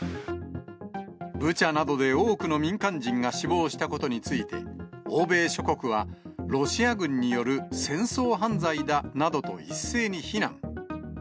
ブチャなどで多くの民間人が死亡したことについて、欧米諸国はロシア軍による戦争犯罪だなどと一斉に非難。